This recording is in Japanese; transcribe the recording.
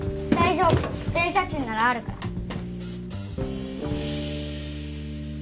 大丈夫電車賃ならあるから。